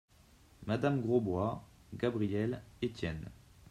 Madame Grosbois, Gabrielle, Etienne.